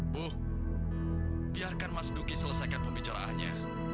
buh biarkan mas duki selesaikan pembicaraannya